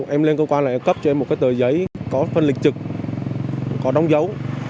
em lên cơ quan là em cấp cho em một cái tờ giấy có phân lịch trực có đóng dấu